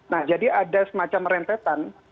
nah jadi ada semacam rentetan